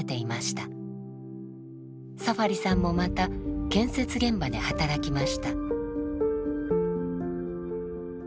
サファリさんもまた建設現場で働きました。